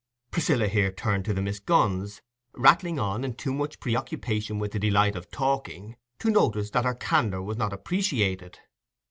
Priscilla here turned to the Miss Gunns, rattling on in too much preoccupation with the delight of talking, to notice that her candour was not appreciated.